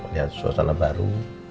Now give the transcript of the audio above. lihat suasana baru